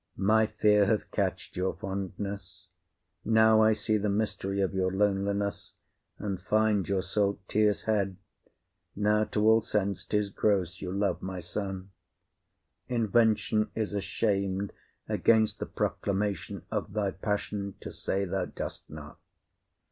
My fear hath catch'd your fondness; now I see The mystery of your loneliness, and find Your salt tears' head. Now to all sense 'tis gross You love my son; invention is asham'd, Against the proclamation of thy passion To say thou dost not.